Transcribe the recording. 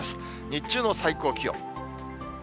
日中の最高気温。